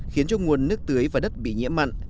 khiến cho nguồn nước tưới và đất bị nhiễm mặn